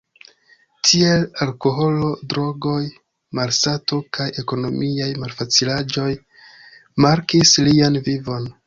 Tie alkoholo, drogoj, malsato kaj ekonomiaj malfacilaĵoj markis lian vivon.